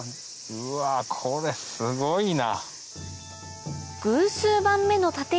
うわこれすごいな。